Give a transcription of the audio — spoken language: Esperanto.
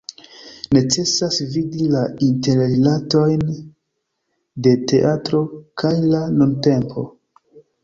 Necesas vidi la interrilatojn de teatro kaj la nuntempo.